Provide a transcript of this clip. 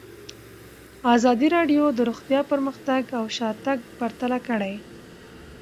ازادي راډیو د روغتیا پرمختګ او شاتګ پرتله کړی.